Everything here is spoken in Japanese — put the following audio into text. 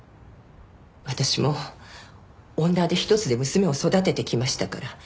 私も女手一つで娘を育ててきましたから。